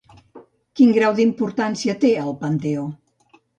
Quin grau d'importància té al panteó?